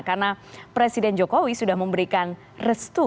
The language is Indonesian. karena presiden jokowi sudah memberikan restu